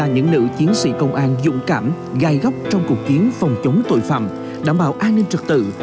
những nữ chiến sĩ công an dũng cảm gai góc trong cuộc chiến phòng chống tội phạm đảm bảo an ninh trật tự